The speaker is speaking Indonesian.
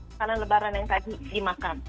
makanan lebaran yang tadi dimakan